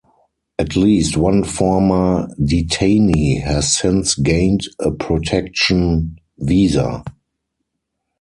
At least one former detainee has since gained a protection visa.